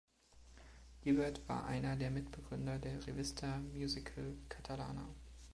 Gibert war einer der Mitbegründer der "Revista Musical Catalana".